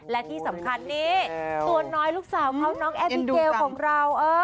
และที่สำคัญนี้ตัวน้อยลูกสาวเขาน้องแอบิเกลของเรา